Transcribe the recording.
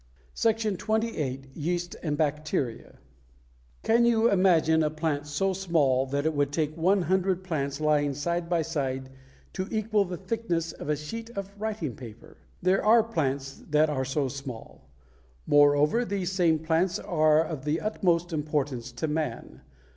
SECTION XXVIII. YEAST AND BACTERIA Can you imagine a plant so small that it would take one hundred plants lying side by side to equal the thickness of a sheet of writing paper? There are plants that are so small. Moreover, these same plants are of the utmost importance to man.